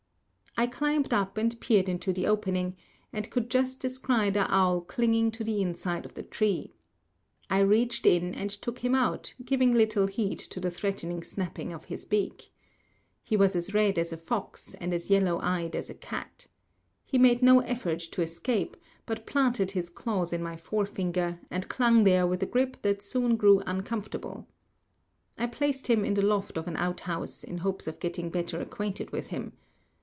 I climbed up and peered into the opening, and could just descry the owl clinging to the inside of the tree. I reached in and took him out, giving little heed to the threatening snapping of his beak. He was as red as a fox and as yellow eyed as a cat. He made no effort to escape, but planted his claws in my forefinger and clung there with a grip that soon grew uncomfortable. I placed him in the loft of an out house in hopes of getting better acquainted with him.